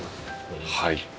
はい。